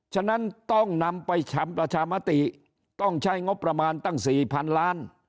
ฉะนั้นต้องนำไปทำประชามติต้องใช้งบประมาณตั้ง๔๐๐๐ล้าน